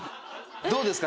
どうですか？